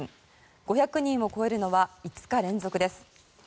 ５００人を超えるのは５日連続です。